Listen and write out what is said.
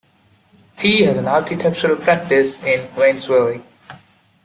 He has an architectural practice in Waynesville.